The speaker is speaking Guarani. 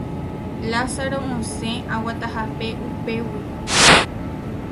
Lázaro osẽ oguatahápe upégui